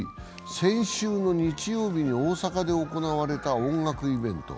先週の日曜日に大阪で行われた音楽イベント。